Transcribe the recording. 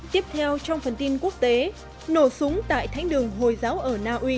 tiếp theo trong phần tin quốc tế nổ súng tại thánh đường hồi giáo ở na uy